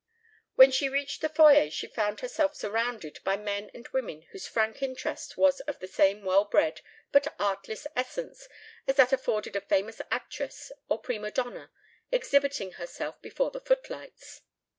When she reached the foyer she found herself surrounded by men and women whose frank interest was of the same well bred but artless essence as that afforded a famous actress or prima donna exhibiting herself before the footlights.